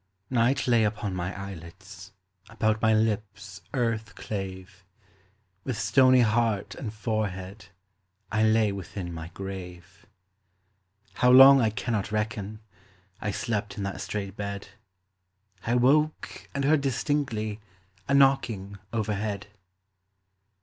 Night lay upon my eyelids, About my lips earth clave; With stony heart and forehead I lay within my grave. How long I cannot reckon, I slept in that strait bed; I woke and heard distinctly A knocking overhead.